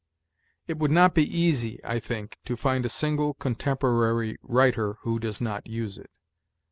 It would not be easy, I think, to find a single contemporary writer who does not use it.